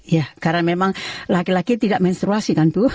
ya karena memang laki laki tidak menstruasi kan bu